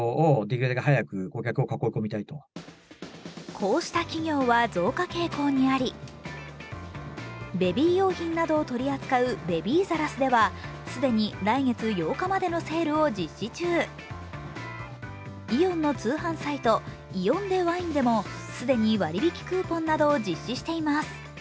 こうした企業は増加傾向にあり、ベビー用品などを取り扱うベビーザらスでは既に来月８日までのセールを実施中イオンの通販サイト、ＡＥＯＮｄｅＷＩＮＥでも既に割引クーポンなどを実施しています。